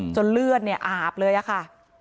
เลือดเนี่ยอาบเลยอะค่ะ